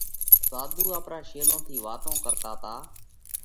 ساڌُو آپرون شيلون ٿِي واتون ڪرتا تا۔